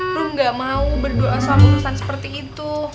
rumi gak mau berdoa sama urusan seperti itu